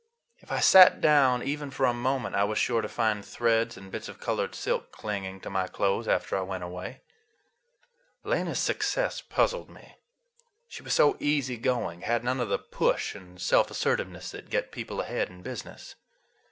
If I sat down even for a moment I was sure to find threads and bits of colored silk clinging to my clothes after I went away. Lena's success puzzled me. She was so easy going; had none of the push and self assertiveness that get people ahead in business.